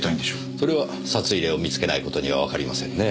それは札入れを見つけないことにはわかりませんねぇ。